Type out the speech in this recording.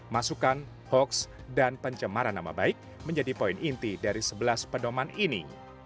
masukan hoaks dan pencemaran nama baik menjadi poin inti dari sebelas pedoman ini